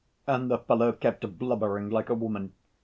And the fellow kept blubbering like a woman.